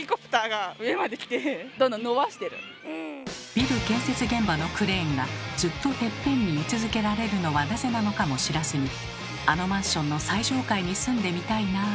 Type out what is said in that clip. ビル建設現場のクレーンがずっとテッペンに居続けられるのはなぜなのかも知らずに「あのマンションの最上階に住んでみたいなあ」